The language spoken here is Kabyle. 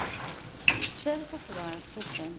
D acu ara tafeḍ ɣer lṭufan?